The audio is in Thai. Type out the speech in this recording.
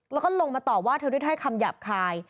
แล้วก็ลงมาตอบว่าเธอด้วยถ้อยคำหยาบคาย